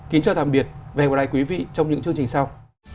kính chào tạm biệt và hẹn gặp lại quý vị trong những chương trình sau